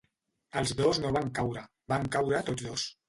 Els dos no van caure, van caure tots dos